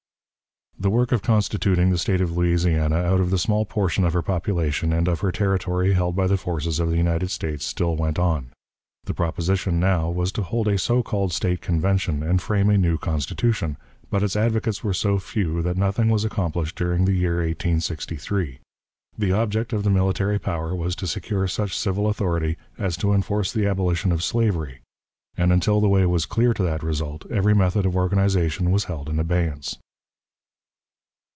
The work of constituting the State of Louisiana out of the small portion of her population and of her territory held by the forces of the United States still went on. The proposition now was to hold a so called State Convention and frame a new Constitution, but its advocates were so few that nothing was accomplished during the year 1863. The object of the military power was to secure such civil authority as to enforce the abolition of slavery; and, until the way was clear to that result, every method of organization was held in abeyance.